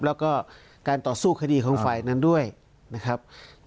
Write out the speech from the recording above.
แล้วก็การต่อสู้คดีของฝ่ายนั้นด้วยนะครับ